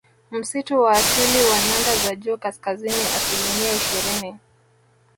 Msitu wa asili wa nyanda za juu kaskazini asilimia ishirini